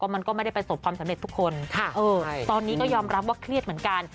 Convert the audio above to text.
มันก็ไม่ได้ประสบความสำเร็จทุกคนตอนนี้ก็ยอมรับว่าเครียดเหมือนกัน